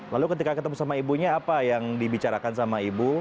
lalu ketika ketemu sama ibunya apa yang dibicarakan sama ibu